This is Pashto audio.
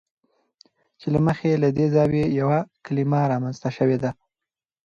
چې له مخې یې له دې زاویې یوه کلمه رامنځته شوې ده.